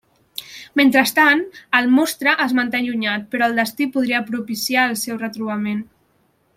Mentrestant, el monstre es manté allunyat, però el destí podria propiciar el seu retrobament.